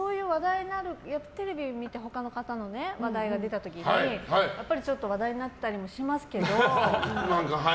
テレビを見て他の方の話題が出た時にやっぱり、ちょっと話題になったりもしますけど。